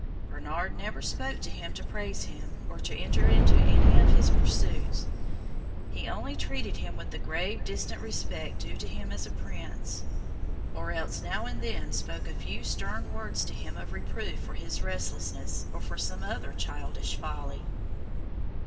Bernard never spoke to him to praise him, or to enter into any of his pursuits; he only treated him with the grave distant respect due to him as a Prince, or else now and then spoke a few stern words to him of reproof for this restlessness, or for some other childish folly.